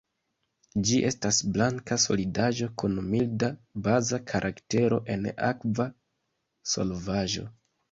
Ĝi estas blanka solidaĵo kun milda baza karaktero en akva solvaĵo.